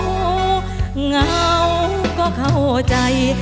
เหงาก็เข้าใจ